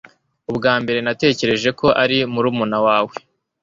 Ubwa mbere, natekereje ko ari murumuna wawe.